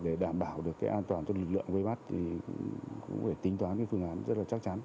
để đảm bảo được cái an toàn cho lực lượng vây bắt thì cũng phải tính toán cái phương án rất là chắc chắn